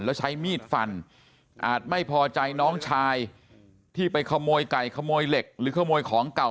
แล้วใช้มีดฟันอาจไม่พอใจน้องชายที่ไปขโมยไก่ขโมยเหล็กหรือขโมยของเก่า